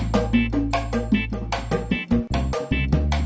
tapi uangnya diambil